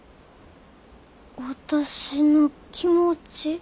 私の気持ち。